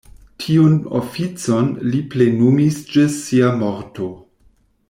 Tiun oficon li plenumis ĝis sia morto.